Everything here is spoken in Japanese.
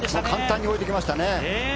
簡単に置いていきましたね。